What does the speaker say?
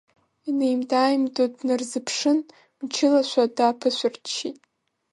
Инеимда-аамидо днарзыԥшын, мчылашәа дааԥышәырччеит.